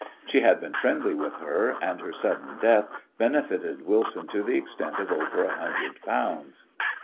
She had been friendly with her, and her sudden death benefited Wilson to the extent of over a hundred pounds.